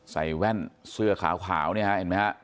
ใส่แว่นเสื้อขาวนี่เห็นไหมครับ